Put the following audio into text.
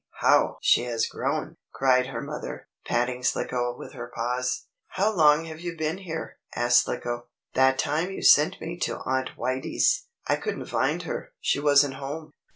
How she has grown!" cried her mother, patting Slicko with her paws. "How long have you been here?" asked Slicko. "That time you sent me to Aunt Whitey's, I couldn't find her she wasn't home."